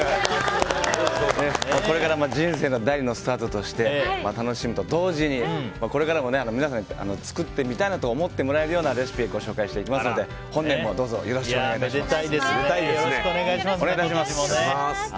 これからも人生の第２のスタートとして楽しむと同時にこれからも皆さんに作ってみたいなと思ってもらえるようなレシピご紹介していきますので本年もよろしくお願いします。